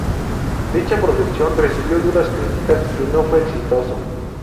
Dicha producción recibió duras críticas y no fue exitoso.